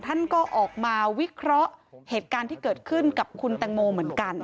ท่านก็ออกมาวิเคราะห์เหตุการณ์ที่เกิดขึ้นกับคุณแตงโมเหมือนกัน